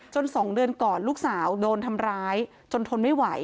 ๒เดือนก่อนลูกสาวโดนทำร้ายจนทนไม่ไหว